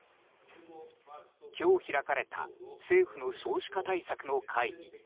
今日、開かれた政府の少子化対策の会議。